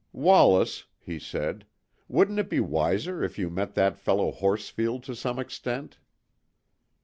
"Wallace," he said, "wouldn't it be wiser if you met that fellow Horsfield to some extent?"